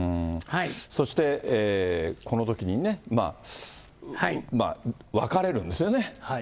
そして、このときにね、分かれるんですよね。